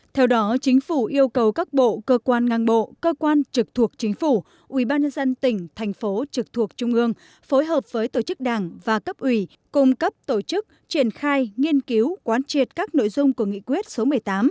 theo đó chính phủ yêu cầu các bộ cơ quan ngang bộ cơ quan trực thuộc chính phủ ubnd tỉnh thành phố trực thuộc trung ương phối hợp với tổ chức đảng và cấp ủy cung cấp tổ chức triển khai nghiên cứu quán triệt các nội dung của nghị quyết số một mươi tám